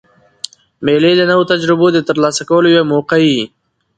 مېلې د نوو تجربو د ترلاسه کولو یوه موقع يي.